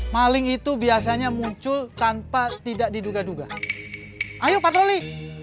maling itu biasanya muncul tanpa tidak diduga duga ayo patroli